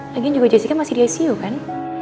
lagi juga jessica masih di icu kan